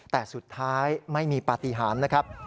แต่สุดท้ายไม่มีปฏิหารนะครับ